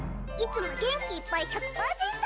いつも元気いっぱい１００％！